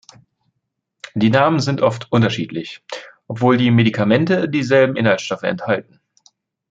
Die Namen sind oft unterschiedlich, obwohl die Medikamente dieselben Inhaltsstoffe enthalten.